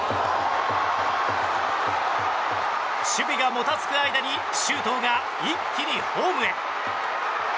守備がもたつく間に周東が一気にホームへ。